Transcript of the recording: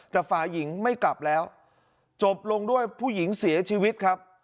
แต่ฝ่ายหญิงไม่กลับแล้วจบลงด้วยผู้หญิงเสียชีวิตครับ